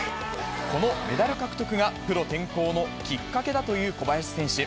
このメダル獲得がプロ転向のきっかけだという小林選手。